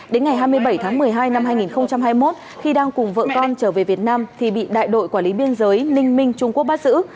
đến ngày hai mươi bảy tháng một mươi hai năm hai nghìn hai mươi một khi đang cùng vợ con trở về việt nam thì bị đại đội quản lý biên giới ninh minh trung quốc bắt giữ